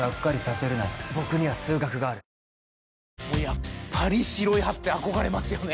やっぱり白い歯って憧れますよね